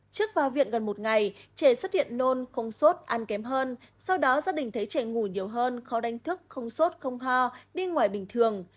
trước vào viện gần một ngày trẻ xuất hiện nôn không sốt ăn kém hơn sau đó gia đình thấy trẻ ngủ nhiều hơn khó đánh thức không sốt không ho đi ngoài bình thường